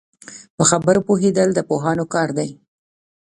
په خبرو پوهېدل د پوهانو کار دی